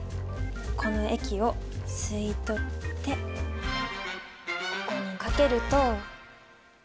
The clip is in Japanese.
この液を吸い取ってここにかけると。